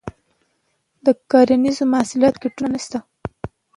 د کرنیزو محصولاتو مارکیټونه شته؟